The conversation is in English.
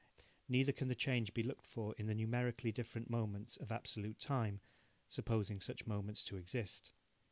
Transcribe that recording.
Neither can the change be looked for in the numerically different moments of absolute time, supposing such moments to exist.